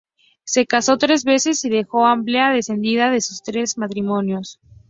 Se casó tres veces y dejó amplia descendencia de sus tres matrimonios.